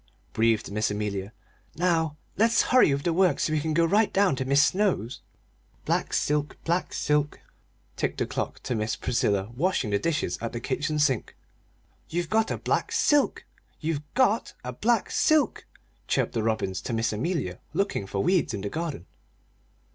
breathed Miss Amelia. "Now let's hurry with the work so we can go right down to Mis' Snow's." "Black silk black silk!" ticked the clock to Miss Priscilla washing dishes at the kitchen sink. "You've got a black silk! You've got a black silk!" chirped the robins to Miss Amelia looking for weeds in the garden.